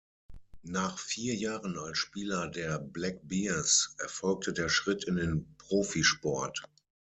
Nach vier Jahren als Spieler der "Black Bears", erfolgte der Schritt in den Profisport.